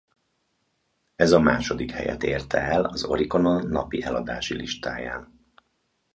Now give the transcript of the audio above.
Ez a második helyet érte el az Oriconon napi eladási listáján.